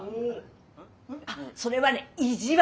あっそれはね「意地悪」。